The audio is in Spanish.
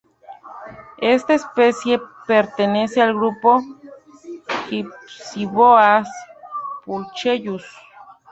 Esta especie pertenece al grupo "Hypsiboas pulchellus".